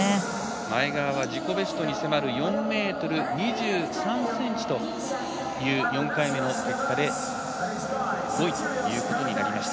前川は自己ベストに迫る４ｍ２３ｃｍという４回目の結果で５位ということになりました。